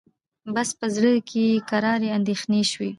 بس په زړه کي یې کراري اندېښنې سوې